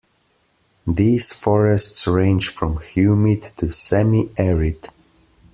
These forests range from humid to semi-arid.